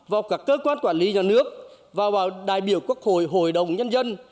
vào các cơ quan quản lý nhà nước và vào đại biểu quốc hội hội đồng nhân dân